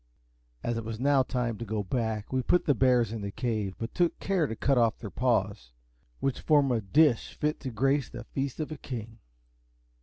As it was now time to go back, we put the bears in the cave, but took care to cut off their paws, which form a dish fit to grace the feast of a king.